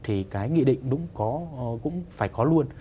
thì cái nghị định đúng cũng phải có luôn